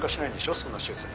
そんな手術に。